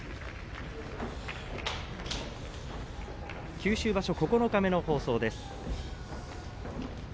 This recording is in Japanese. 九州場所、九日目の放送です。